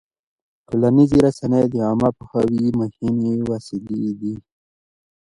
ټولنیزې رسنۍ د عامه پوهاوي مهمې وسیلې دي.